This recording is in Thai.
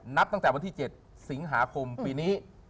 นับตั้งแต่วันที่๗สิงหาคมปีนี้